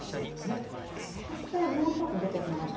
そしてもう一つ出てきました